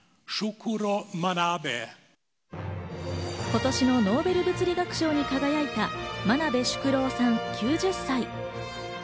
今年のノーベル物理学賞に輝いた真鍋淑郎さん、９０歳。